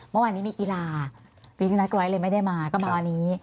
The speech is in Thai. เมื่อวานนี้มีกีฬาฟีสนัทไว้เลยไม่ได้มาก็มาวันนี้